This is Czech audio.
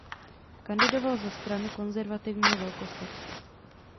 Kandidoval za Stranu konzervativního velkostatku.